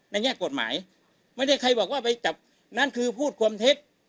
แง่กฎหมายไม่ได้ใครบอกว่าไปจับนั้นคือพูดความเท็จ